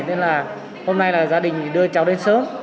nên là hôm nay là gia đình đưa cháu đến sớm